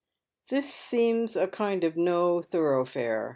This seems a kind of no thoroughfare.